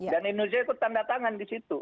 dan indonesia ikut tanda tangan di situ